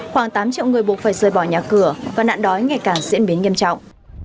khoảng tám triệu người buộc phải rời bỏ nhà cửa và nạn đói ngày càng diễn biến nghiêm trọng